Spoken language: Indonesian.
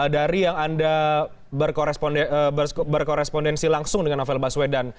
dari yang anda berkorespondensi langsung dengan novel baswedan